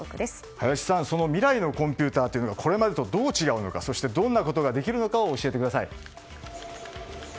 林さん未来のコンピューターはこれまでとどう違うのかそして、どんなことができるかを教えてください。